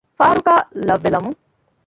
ފާރުގައި ލައްވެލަމުން